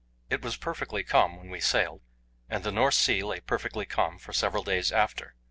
It was perfectly calm when we sailed, and the North Sea lay perfectly calm for several days after.